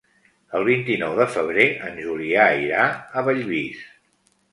El vint-i-nou de febrer en Julià irà a Bellvís.